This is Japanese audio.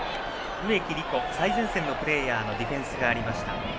植木理子、最前線でのプレーヤーへのディフェンスがありました。